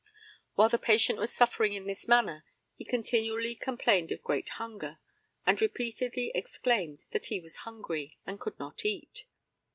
While the patient was suffering in this manner he continually complained of great hunger, and repeatedly exclaimed that he was hungry, and could not eat.